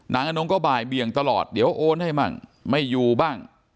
อนงก็บ่ายเบียงตลอดเดี๋ยวโอนให้มั่งไม่อยู่บ้าง